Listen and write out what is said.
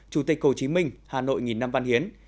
chủ tịch hồ chí minh hà nội nghìn năm văn hiến